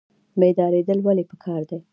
بیداریدل ولې پکار دي؟